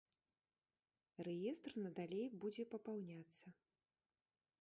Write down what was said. Рэестр надалей будзе папаўняцца.